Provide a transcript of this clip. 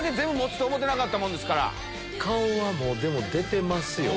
顔はもう出てますよ。